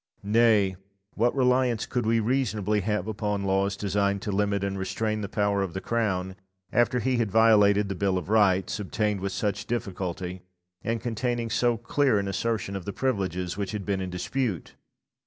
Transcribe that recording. Nay, what reliance could we reasonably have upon laws designed to limit and restrain the power of the Crown, after he had violated the Bill of Rights, obtained with such difficulty, and containing so clear an assertion of the privileges which had been in dispute?